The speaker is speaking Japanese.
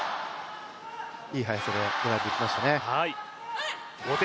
いい速さで狙っていきましたね。